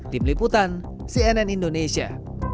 tim liputan cnn indonesia